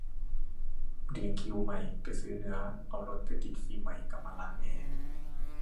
เรียงคิวใหม่ไปซื้อเนื้อเอารถไปติดฟิล์มใหม่กลับมาล้างแอร์